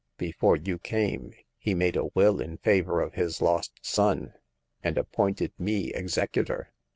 Before you came, he made a will in favor of his lost son, and appointed me executor.